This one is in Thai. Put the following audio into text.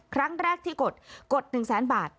ครั้งแรกที่กดกด๑๐๐๐๐๐บาท